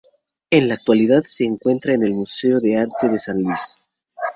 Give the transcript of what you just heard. En la actualidad se encuentra en el Museo de Arte de San Luis.